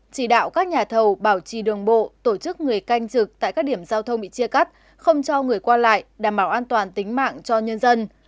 chỉ đạo các nhà thầu bảo trì đường bộ tổ chức người canh trực tại các điểm giao thông bị chia cắt không cho người qua lại đảm bảo an toàn tính mạng cho nhân dân